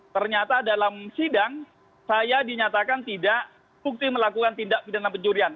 ternyata dalam sidang saya dinyatakan tidak bukti melakukan tindak pidana pencurian